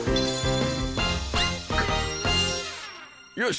よし！